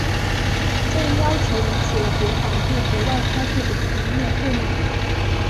这一要求引起了国防部和外交部的强烈不满。